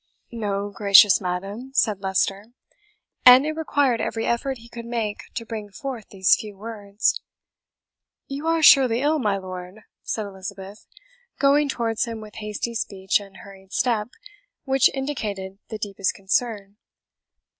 "No, gracious madam," said Leicester; and it required every effort he could make to bring forth these few words. "You are surely ill, my lord?" said Elizabeth, going towards him with hasty speech and hurried step, which indicated the deepest concern.